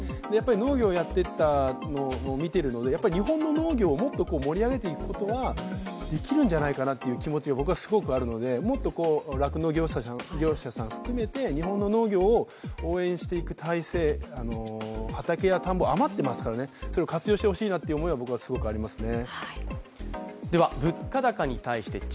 農業をやっているのを見ていたので、日本の農業をもっと盛り上げていくことができるんじゃないかという気持ちがすごくあるので、もっと酪農業者さん含めて、日本の農業を応援していく体制、畑や田んぼが余っていますから、それを活用してほしいなという思いがすごくありますね。